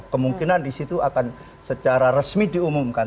kemungkinan disitu akan secara resmi diumumkan